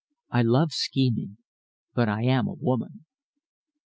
I love scheming, but I am a woman."